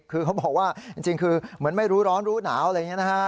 คือเขาบอกว่าจริงคือเหมือนไม่รู้ร้อนรู้หนาวอะไรอย่างนี้นะฮะ